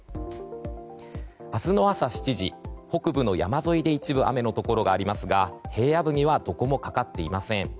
明日の朝７時、北部の山沿いで一部、雨のところがありますが平野部にはどこもかかっていません。